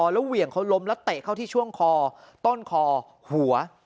แล้วเหวี่ยงเขาล้มแล้วเตะเข้าที่ช่วงคอต้นคอหัว